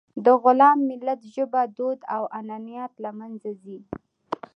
د غلام ملت ژبه، دود او عنعنات له منځه ځي.